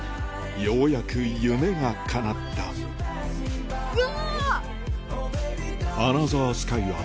ようやく夢がかなったうわ！